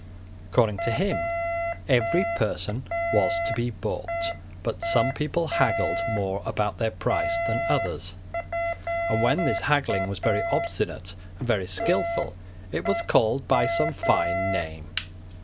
According to him, every person was to be bought: but some people haggled more about their price than others; and when this haggling was very obstinate and very skilful it was called by some fine name.